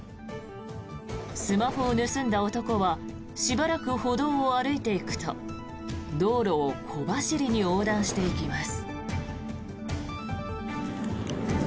スマホを盗んだ男はしばらく歩道を歩いていくと道路を小走りに横断していきます。